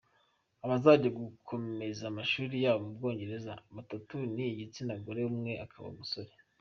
Abazajya gukomeza amashuri yabo mu Bwongereza, batatu ni igitsina gore umwe akaba umusore.